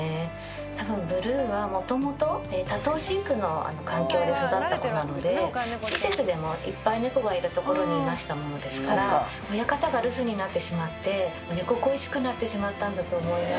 たぶん、ブルーはもともと、多頭飼育の環境で育った子なので、施設でもいっぱい猫がいる所にいましたものですから、親方が留守になってしまって、猫恋しくなってしまったんだと思います。